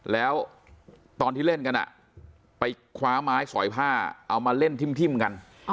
แล้วตอนที่เล่นกันไปคว้าไม้สอยผ้าเอามาเล่นทิ้มกัน